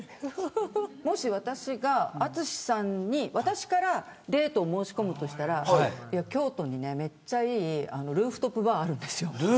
もし私が淳さんに私からデートを申し込むとしたら京都にめっちゃいいルーフトップバーあるんですよ。